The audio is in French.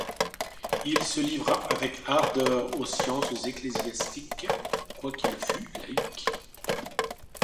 Il se livra avec ardeur aux sciences ecclésiastiques, quoiqu'il fût laïque.